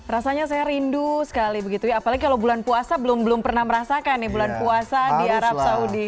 rasanya saya rindu sekali begitu ya apalagi kalau bulan puasa belum pernah merasakan bulan puasa di arab saudi